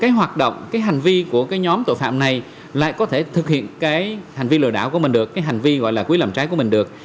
cái hoạt động cái hành vi của cái nhóm tội phạm này lại có thể thực hiện cái hành vi lừa đảo của mình được cái hành vi gọi là quý làm trái của mình được